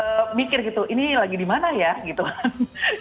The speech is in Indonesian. terus mikir gitu ini lagi di mana ya gitu kan